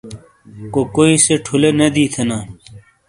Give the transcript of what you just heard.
کوکوئی سے ٹھولے نے دی تھینا